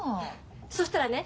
そしたらね